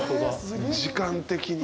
時間的に。